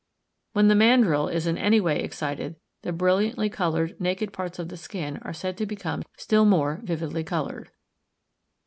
When the Mandrill is in any way excited, the brilliantly coloured, naked parts of the skin are said to become still more vividly coloured.